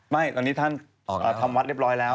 ไม่ตอนนี้ท่านทำวัดเรียบร้อยแล้ว